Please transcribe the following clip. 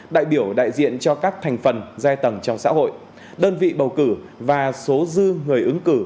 đại biểu đại diện cho các thành phần giai tầng trong xã hội đơn vị bầu cử và số dư người ứng cử